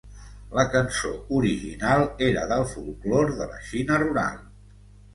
La cançó original era del folklore de la Xina rural.